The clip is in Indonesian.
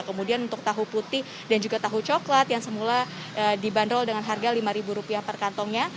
kemudian untuk tahu putih dan juga tahu coklat yang semula dibanderol dengan harga rp lima per kantongnya